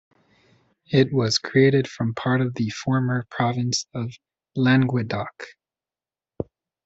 It was created from part of the former province of Languedoc.